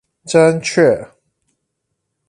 真確